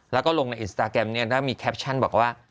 แล้วก็ลงในอินสตาร์แกมมีแคปชันบอกว่า